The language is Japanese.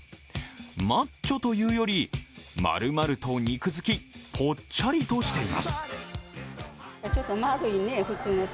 マッチョというより、丸々と肉づき、ぽっちゃりとしています。